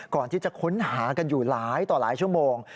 ก่อนที่จะค้นหากันอยู่หลายต่อหลายชั่วโมง